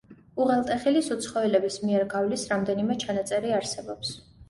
უღელტეხილის უცხოელების მიერ გავლის რამდენიმე ჩანაწერი არსებობს.